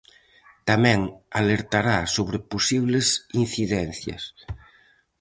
Tamén alertará sobre posibles incidencias.